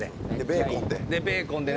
「ベーコンで」